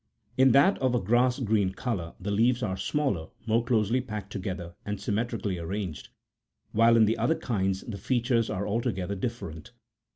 In that of a grass green colour, the leaves are smaller, more closely packed together, and symmetri cally arranged ; while in the other kinds the features are alto gether different.